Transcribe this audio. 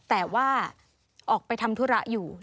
แต่ว่าออกไปทำธุระอยู่